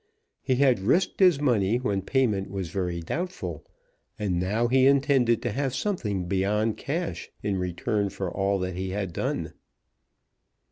He had risked his money when payment was very doubtful, and now he intended to have something beyond cash in return for all that he had done.